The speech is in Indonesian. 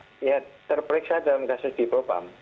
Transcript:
ya terperiksa dalam kasus di propam